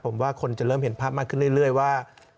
ผมว่าคนจะเริ่มเห็นภาพมากขึ้นเรื่อยว่า